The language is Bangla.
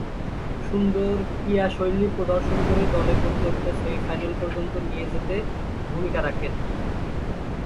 সুন্দর ক্রীড়াশৈলী প্রদর্শন করে দলে প্রতিযোগিতার সেমি-ফাইনাল পর্যন্ত নিয়ে যেতে ভূমিকা রাখেন।